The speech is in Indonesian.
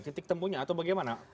titik temunya atau bagaimana